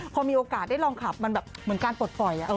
พอมีโอกาสได้ลองขับมันแบบเหมือนการปลดปล่อย